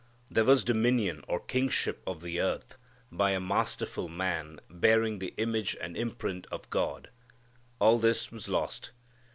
There was dominion or kingship of the earth by a masterful man bearing the image and imprint of God. All this was lost.